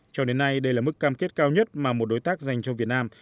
cho đến nay đây là mức cam kết cao nhất mà một đối tác dành cho việt nam